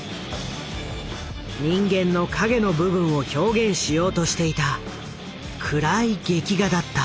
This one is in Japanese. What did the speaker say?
人間の影の部分を表現しようとしていた暗い劇画だった。